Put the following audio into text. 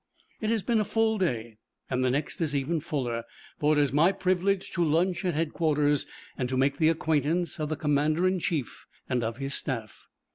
It has been a full day, and the next is even fuller, for it is my privilege to lunch at Headquarters, and to make the acquaintance of the Commander in chief and of his staff.